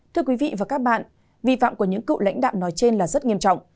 thưa quý vị và các bạn vi phạm của những cựu lãnh đạo nói trên là rất nghiêm trọng